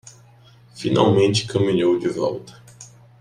Finalmente caminhou de volta